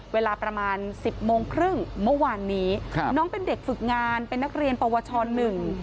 เวลาประมาณสิบโมงครึ่งเมื่อวานนี้ครับน้องเป็นเด็กฝึกงานเป็นนักเรียนปวชหนึ่ง